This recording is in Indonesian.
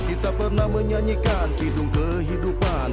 kita pernah menyanyikan hidung kehidupan